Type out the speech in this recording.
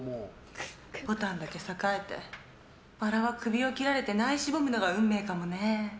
ぼたんだけ栄えて薔薇は首を切られてなえしぼむのが運命かもね。